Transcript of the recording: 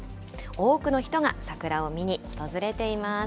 多くの人が桜を見に訪れています。